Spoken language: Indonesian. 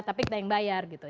tapi kita yang bayar gitu